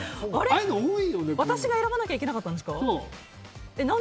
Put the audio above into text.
私が選ばなきゃいけなかったんですか。